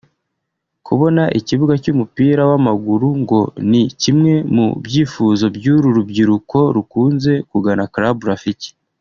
Kubona ikibuga cy’umupira w’amaguru ngo ni kimwe mu byifuzo by’uru rubyiruko rukunze kugana Club Rafiki